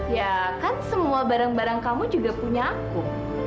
ya kan semua barang barang kamu juga punya aku